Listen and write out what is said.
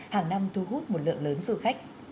hàng năm thu hút một lượng lớn du khách